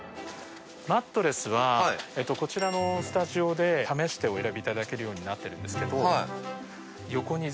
マットレスはこちらのスタジオで試してお選びいただけるようになってるんですけど。